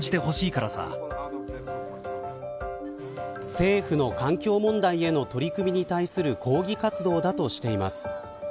政府の環境問題への取り組みに対する抗議活動だとしています。